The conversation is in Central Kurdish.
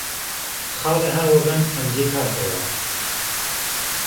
خاڵێ ها وه بان پهنجهی پاتهوه